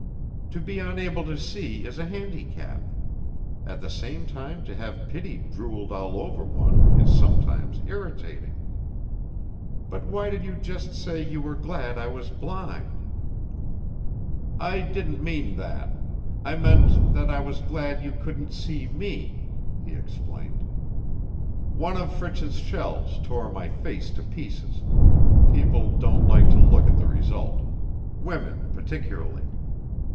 "To be unable to see is a handicap. At the same time to have pity drooled all over one is sometimes irritating. But why did you just say you were glad I was blind?" "I didn't mean that. I meant that I was glad you couldn't see me," he explained. "One of Fritz's shells tore my face to pieces. People don't like to look at the result. Women particularly.